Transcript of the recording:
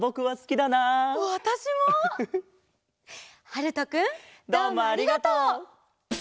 はるとくんどうもありがとう。